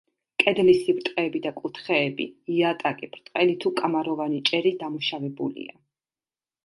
კედლის სიბრტყეები და კუთხეები, იატაკი, ბრტყელი თუ კამაროვანი ჭერი დამუშავებულია.